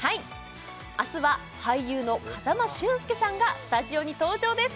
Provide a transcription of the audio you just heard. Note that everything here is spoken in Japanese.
明日は俳優の風間俊介さんがスタジオに登場です